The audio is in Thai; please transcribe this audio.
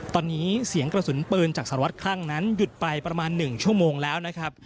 ตอนนี้เสียงกระสุนปืนจากสารวัตรคลั่งนั้นหยุดไปประมาณ๑ชั่วโมงแล้วนะครับ